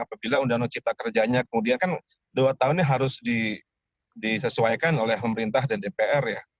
apabila undang undang cipta kerjanya kemudian kan dua tahun ini harus disesuaikan oleh pemerintah dan dpr ya